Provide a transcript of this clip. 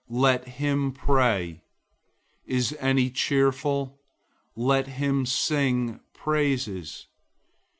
Let him pray. Is any cheerful? Let him sing praises.